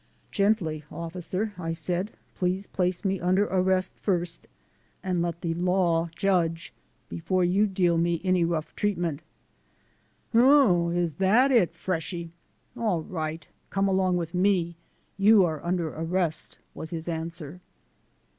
"Gently, Officer," I said, "please place me under arrest first and let the law judge, before you deal me any rough treat ment." "Oh, is that it, freshy? All right, come along with me. You are under arrest," was his answer.